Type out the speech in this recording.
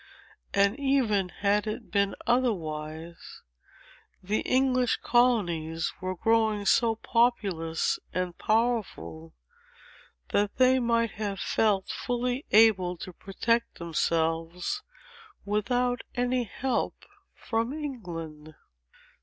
And, even had it been otherwise the English colonies were growing so populous and powerful, that they might have felt fully able to protect themselves without any help from England.